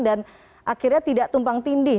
dan akhirnya tidak tumpang tindih